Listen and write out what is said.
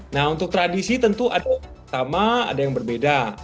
nah untuk tradisi tentu ada sama ada yang berbeda